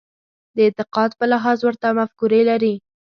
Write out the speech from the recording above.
د اعتقاد په لحاظ ورته مفکورې لري.